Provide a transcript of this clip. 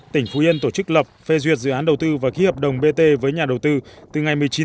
tỉnh phú yên tổ chức lập phê duyệt dự án đầu tư và ký hợp đồng bt với nhà đầu tư